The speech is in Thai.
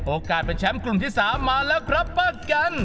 เป็นแชมป์กลุ่มที่๓มาแล้วครับป้ากัน